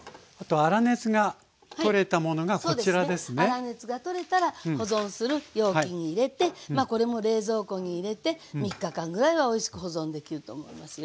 粗熱が取れたら保存する容器に入れてこれも冷蔵庫に入れて３日間ぐらいはおいしく保存できると思いますよ。